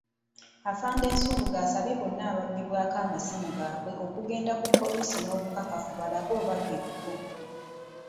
Afande Nsubuga asabye bonna ababbibwako amasimu gaabwe okugenda ku poliisi n'obukakafu balabe oba geego.